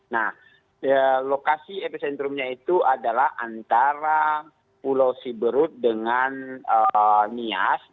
nah lokasi epicentrumnya itu adalah antara pulau siberut dengan nias